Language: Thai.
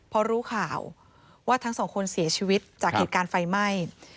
พอรู้ข่าวว่าทั้งสองคนเสียชีวิตจากเหตุการณ์ไฟไหม้